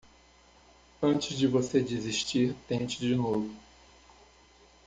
Antes de você desistir, tente de novo